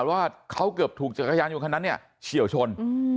ว่าเขาเกือบถูกจักรยานยนต์คันนั้นเนี่ยเฉียวชน